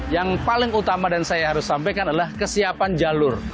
yang paling utama dan saya harus sampaikan adalah kesiapan jalur